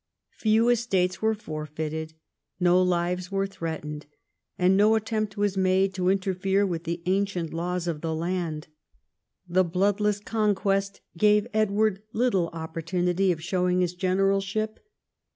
Few estates were forfeited ; no lives were threatened ; and no attempt was made to interfere with the ancient laws of the land. The bloodless conquest gave Edward little opportunity of showing his generalship.